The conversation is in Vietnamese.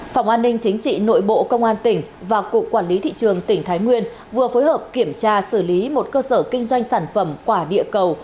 phòng an ninh chính trị nội bộ công an tỉnh và cục quản lý thị trường tỉnh thái nguyên vừa phối hợp kiểm tra xử lý một cơ sở kinh doanh sản phẩm quả địa cầu